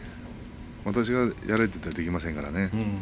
私はやれと言ってもできませんからね。